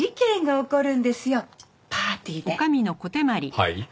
はい？